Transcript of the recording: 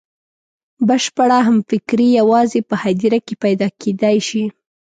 بشپړه همفکري یوازې په هدیره کې پیدا کېدای شي.